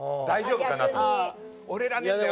大丈夫かなって。